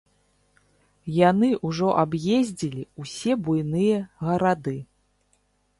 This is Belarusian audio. Яны ўжо аб'ездзілі ўсе буйныя гарады.